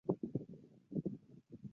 蓟县期是以蓟县纪命名的。